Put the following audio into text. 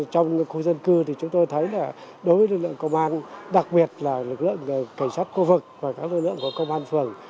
trong khu dân cư thì chúng tôi thấy là đối với lực lượng công an đặc biệt là lực lượng cảnh sát khu vực và các lực lượng của công an phường